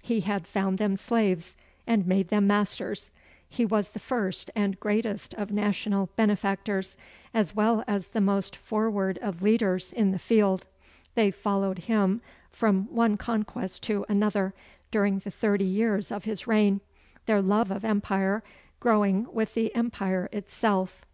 He had found them slaves, and made them masters: he was the first and greatest of national benefactors, as well as the most forward of leaders in the field: they followed him from one conquest to another, during the thirty years of his reign, their love of empire growing with the empire itself.